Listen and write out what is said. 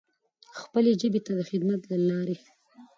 خپلې ژبې ته د خدمت له لارې.